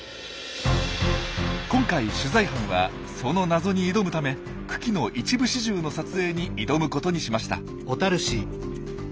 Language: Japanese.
今回取材班はその謎に挑むため群来の一部始終の撮影に挑むことにしました。